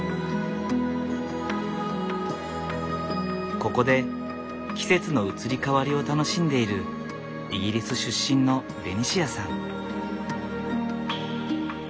ここで季節の移り変わりを楽しんでいるイギリス出身のベニシアさん。